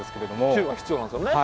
寄付が必要なんですよね。